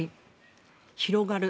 広がる